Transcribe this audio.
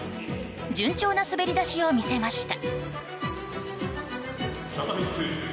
順調な滑り出しを見せました。